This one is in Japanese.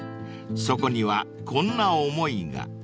［そこにはこんな思いが］